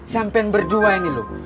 sampain berdua ini loh